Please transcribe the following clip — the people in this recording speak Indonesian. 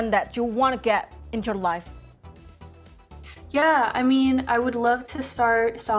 ya maksudku aku suka mulai pembaca lagu untuk artis lain